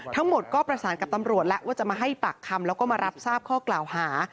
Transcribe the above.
ทั้งหมดก็ประสานกับตำรวจแล้วว่าจะมาให้ปากคำแล้วก็มารับทราบข้อกล่าวหา